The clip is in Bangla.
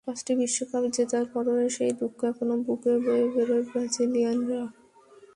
পাঁচটি বিশ্বকাপ জেতার পরও সেই দুঃখ এখনো বুকে বয়ে বেড়ায় ব্রাজিলিয়ানরা।